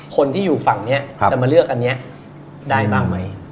คนที่อยู่ฝั่งนี้จะมาเลือกอันนี้ได้บ้างไหม